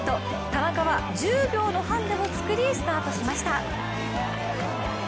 田中は１０秒のハンデを作りスタートしました。